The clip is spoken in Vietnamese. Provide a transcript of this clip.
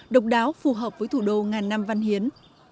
độc đáo phù hợp với thủ đô ngàn năm văn hiến